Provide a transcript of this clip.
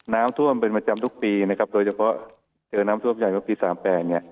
น้ำท่วมเป็นประจำทุกปีนะครับโดยเฉพาะเจอน้ำท่วมใหญ่เมื่อปีสามแปดเนี่ย